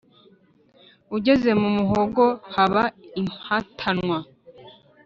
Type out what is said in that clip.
Ugeze mu muhogo haba impatanwa;